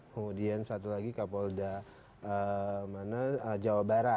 kemudian satu lagi kapolda jawa barat